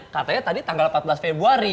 katanya tadi tanggal empat belas februari